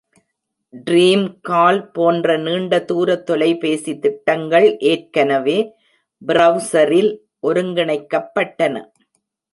டிரீம்கால் போன்ற நீண்ட தூர தொலைபேசி திட்டங்கள் ஏற்கனவே பிரவுஸரில் ஒருங்கிணைக்கப்பட்டன.